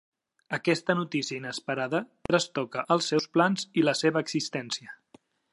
Aquesta notícia inesperada trastoca els seus plans i la seva existència.